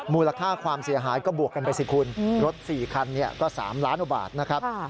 มูลค่าความเสียหายก็บวกกันไปสิคุณรถ๔คันก็๓ล้านกว่าบาทนะครับ